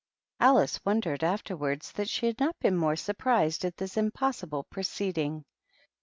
Alice wondered afterwards that she had not been more surprised at this impossible proceeding.